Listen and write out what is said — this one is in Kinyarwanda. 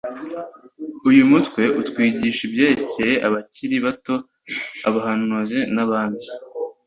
Uyu mutwe utwigisha ibyerekeye abakiri bato abahanuzi n’abami